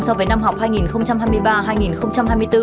so với năm học hai nghìn hai mươi ba hai nghìn hai mươi bốn